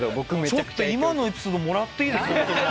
ちょっと今のエピソードもらっていいですか？